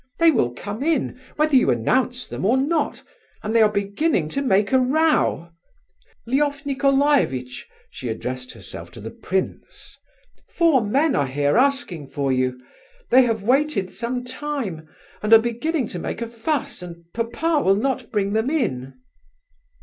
"They will come in, whether you announce them or not, and they are beginning to make a row. Lef Nicolaievitch,"—she addressed herself to the prince—"four men are here asking for you. They have waited some time, and are beginning to make a fuss, and papa will not bring them in."